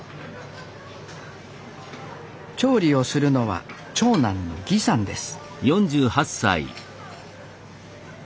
調理をするのは長男の儀さんです